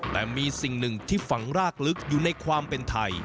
แต่มีสิ่งหนึ่งที่ฝังรากลึกอยู่ในความเป็นไทย